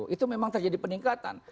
itu memang terjadi peningkatan